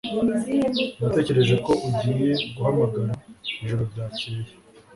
Natekereje ko ugiye guhamagara ijoro ryakeye